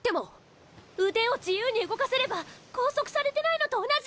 腕を自由に動かせれば拘束されてないのと同じ！